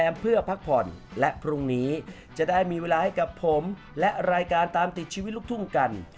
เวลาให้กับผมและรายการตามติดชีวิตลุกทุ่งกัน